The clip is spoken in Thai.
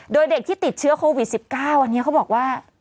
โดยเด็กที่ติดเชื้อโควิด๑๙อันนี้เขาบอกว่า